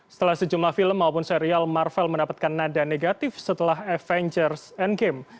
setelah sejumlah film maupun serial marvel mendapatkan nada negatif setelah avengers endgame